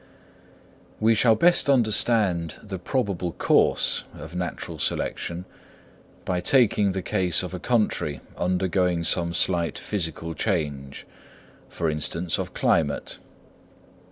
We shall best understand the probable course of natural selection by taking the case of a country undergoing some slight physical change, for instance, of climate.